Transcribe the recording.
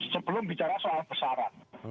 sebelum bicara soal pesaran